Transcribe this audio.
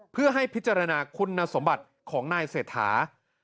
เพื่อให้พิจารณาคุณสมบัติของนายเศรษฐา